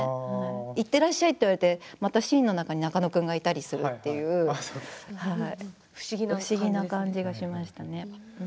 いってらっしゃいって言われてまたシーンの中に仲野君がいるという不思議な感じがしましたね。